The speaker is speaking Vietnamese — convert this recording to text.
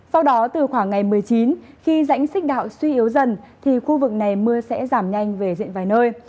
sau đó từ khoảng ngày một mươi chín khi rãnh xích đạo suy yếu dần thì khu vực này mưa sẽ giảm nhanh về diện vài nơi